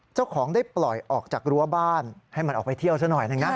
เจ้าของได้ปล่อยออกจากรั้วบ้านให้มันออกไปเที่ยวซะหน่อยหนึ่งนะ